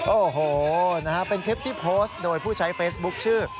โอ้โหนะฮะเป็นคลิปที่โพสต์โดยผู้ใช้เฟซบุ๊คชื่อ